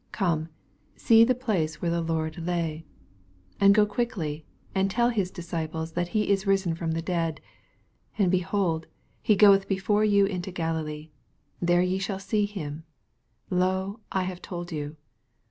Come, see the place where the Lord lay. ^ 7 And go quickly, and tell his dis ciples that he is risen from the dead: and, behold, he goeth before you into Galilee ; there shall ye see him : lo, I have told you.